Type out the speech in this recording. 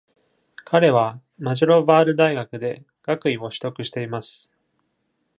彼はマジャロヴァール大学で学位を取得しています。